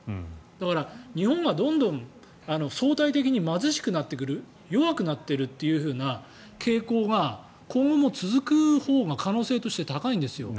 だから、日本がどんどん相対的に貧しくなってくる弱くなっているというふうな傾向が今後も続くほうが可能性として高いんですよ。